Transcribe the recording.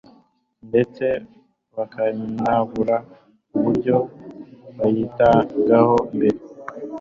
ndetse bakanabura uburyo yabitagaho mbere,